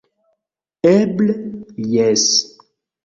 - Eble, jes!